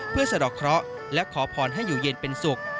เพื่อสะดอกเคราะห์และขอพรให้อยู่เย็นเป็นสุข